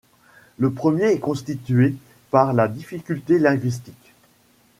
Le premier est constitué par la difficulté linguistique.